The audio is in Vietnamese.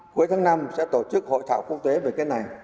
cuối tháng năm sẽ tổ chức hội thảo quốc tế về cái này